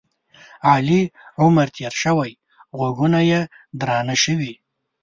علي عمر تېر شوی؛ غوږونه یې درانه شوي.